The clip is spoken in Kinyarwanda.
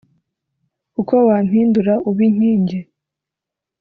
Kuko wampindura ubinkingi